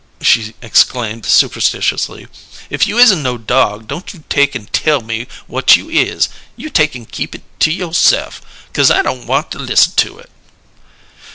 she exclaimed superstitiously. "If you isn't no dog, don't you take an' tell me whut you is: you take an' keep it to you'se'f, 'cause I don' want to listen to it!"